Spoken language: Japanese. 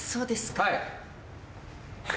はい！